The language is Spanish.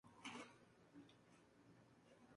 Harris estuvo casado en tres ocasiones.